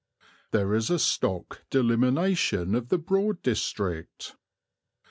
There is a stock delimitation of the Broad District.